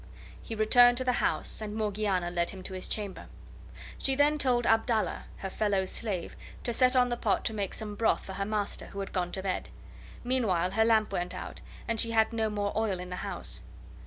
He returned to the house, and Morgiana led him to his chamber. She then told Abdallah, her fellow slave, to set on the pot to make some broth for her master, who had gone to bed. Meanwhile her lamp went out, and she had no more oil in the house.